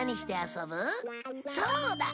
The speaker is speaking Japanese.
そうだ！